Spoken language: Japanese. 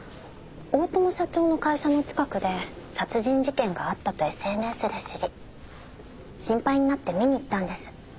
大友社長の会社の近くで殺人事件があったとＳＮＳで知り心配になって見に行ったんです。